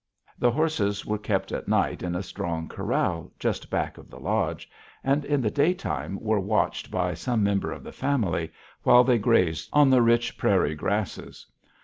The horses were kept at night in a strong corral just back of the lodge, and in the daytime were watched by some member of the family while they grazed on the rich prairie grasses.